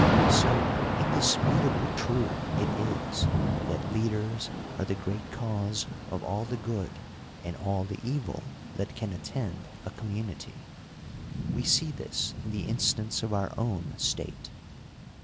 So indisputably true it is that lead ers are the great cause of all the good and all the evil that can attend a community. We see this in the instance of our own state.